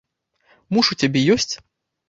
Муж у цябе ёсць?